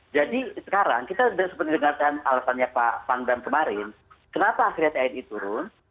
jadi sekarang kita sudah sempat mendengarkan alasannya pak panggam kemarin kenapa akhirnya tni turun